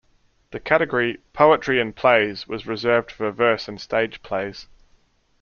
The category "Poetry and Plays" was reserved for verse and stage plays.